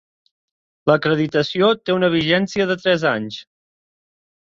L'acreditació té una vigència de tres anys.